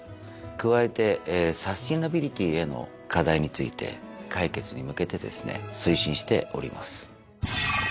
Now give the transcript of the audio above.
加えてサステナビリティへの課題について解決に向けてですね推進しております。